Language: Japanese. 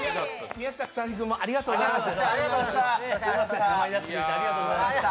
宮下草薙君もありがとうございます。